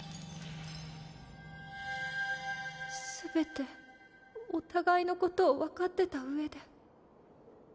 全てお互いのことを分かってたうえで。